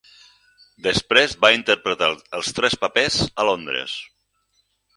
Després va interpretar els tres papers a Londres.